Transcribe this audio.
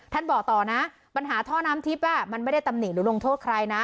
บอกต่อนะปัญหาท่อน้ำทิพย์มันไม่ได้ตำหนิหรือลงโทษใครนะ